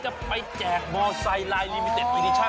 จะไปแจกบอสไซด์ลายลิมิเต็ดอินิชั่น